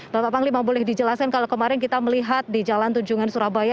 bapak panglima boleh dijelaskan kalau kemarin kita melihat di jalan tunjungan surabaya